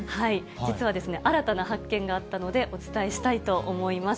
実はですね、新たな発見があったので、お伝えしたいと思います。